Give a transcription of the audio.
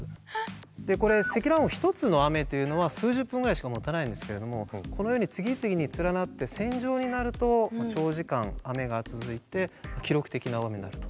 でこれ積乱雲１つの雨というのは数十分ぐらいしかもたないんですけどもこのように次々に連なって線状になると長時間雨が続いて記録的な大雨になると。